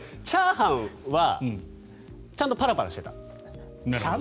チャーハンはちゃんとパラパラしてた。